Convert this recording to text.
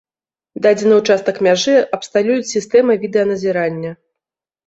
Дадзены ўчастак мяжы абсталююць сістэмай відэаназірання.